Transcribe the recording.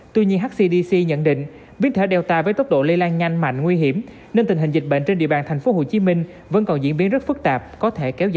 tuy nhiên hcdc nhận định biến thể delta với tốc độ lây lan nhanh mạnh nguy hiểm nên tình hình dịch bệnh trên địa bàn thành phố hồ chí minh vẫn còn diễn biến rất phức tạp có thể kéo dài